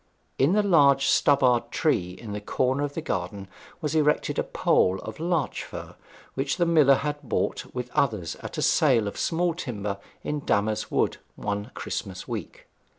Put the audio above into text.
In the large stubbard tree at the corner of the garden was erected a pole of larch fir, which the miller had bought with others at a sale of small timber in Damer's Wood one Christmas week.